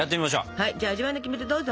はいじゃあ味わいのキメテどうぞ！